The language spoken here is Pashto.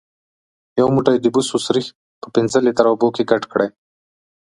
یو موټی د بوسو سريښ په پنځه لیتره اوبو کې ګډ کړئ.